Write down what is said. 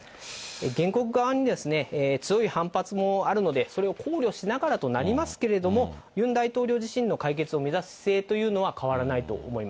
原告側に強い反発もあるので、それを考慮しながらとなりますけれども、ユン大統領自身の解決を目指す姿勢というのは、変わらないと思い